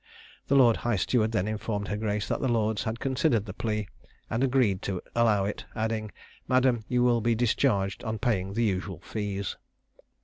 The lord high steward then informed her grace that the lords had considered the plea, and agreed to allow it, adding, "Madam, you will be discharged on paying the usual fees."